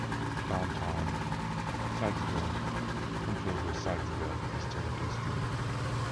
Downtown Sykesville comprises the Sykesville Historic District.